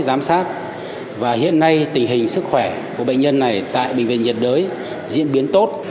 giám sát và hiện nay tình hình sức khỏe của bệnh nhân này tại bệnh viện nhiệt đới diễn biến tốt